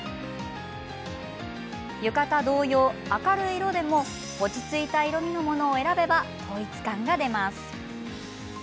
浴衣同様、明るい色でも落ち着いた色みのものを選べば統一感が出ます。